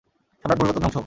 সম্রাট বলল, তোর ধ্বংস হোক।